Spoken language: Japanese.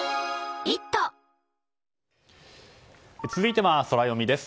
続いてはソラよみです。